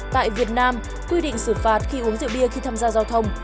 tại việt nam quy định xử phạt khi uống rượu bia khi tham gia giao thông